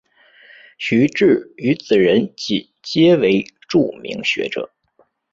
徐致愉子仁锦皆为著名学者。